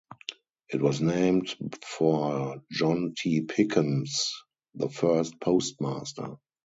It was named for John T. Pickens, the first postmaster.